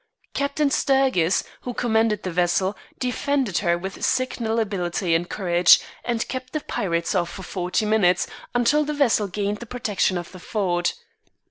Captain Sturgis, who commanded the vessel, defended her with signal ability and courage, and kept the pirates off for forty minutes, until the vessel gained the protection of the fort.